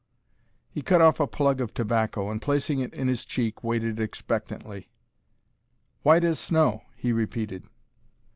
He cut off a plug of tobacco, and, placing it in his cheek, waited expectantly. "White as snow," he repeated.